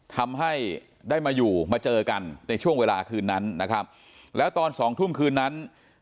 ทำให้ได้มาอยู่มาเจอกันในช่วงเวลาคืนนั้นนะครับแล้วตอนสองทุ่มคืนนั้น